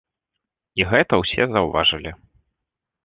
І гэта ўсе заўважылі.